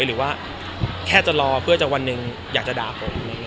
หรือว่าแค่จะรอเพื่อจะวันหนึ่งอยากจะด่าผม